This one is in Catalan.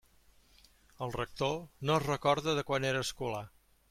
El rector no es recorda de quan era escolà.